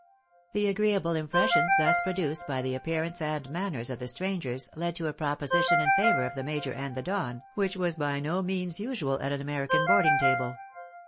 The agreeable impressions thus produced by the appearance and manners of the strangers led to a proposition in favour of the major and the Don, which was by no means usual at an American board ing table.